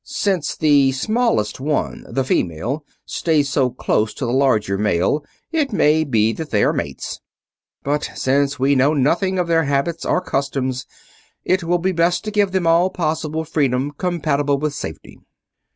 Since the smallest one, the female, stays so close to the larger male, it may be that they are mates. But since we know nothing of their habits or customs, it will be best to give them all possible freedom compatible with safety."